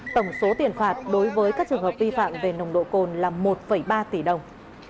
tổng số tiền phạt đối với các trường hợp vi phạm về nồng độ cồn là một ba tỷ đồng